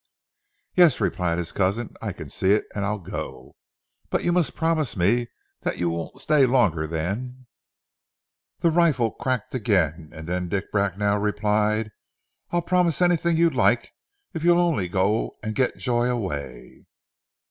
"Yes," replied his cousin, "I can see it, and I'll go. But you must promise me that you won't stay longer than " The rifle cracked again, and then Dick Bracknell replied. "I'll promise anything you like if you'll only go and get Joy away."